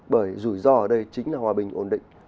bởi rủi ro ở đây chính là hòa bình ổn định